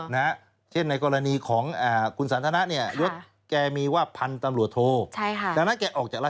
นะเช่นในกรณีของอ่าคุณสนธนาเนี่ยย้อดแกมีว่าพันตำรวจโทษ